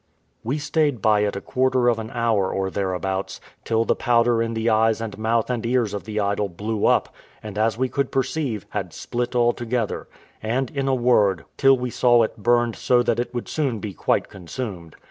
We stayed by it a quarter of an hour or thereabouts, till the powder in the eyes and mouth and ears of the idol blew up, and, as we could perceive, had split altogether; and in a word, till we saw it burned so that it would soon be quite consumed.